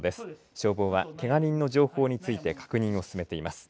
消防は、けが人の情報について確認を進めています。